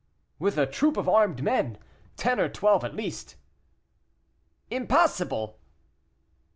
"With a troop of armed men; ten or twelve at least." "Impossible!"